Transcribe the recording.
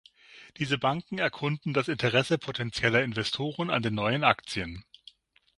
Diese Banken erkunden das Interesse potenzieller Investoren an den neuen Aktien.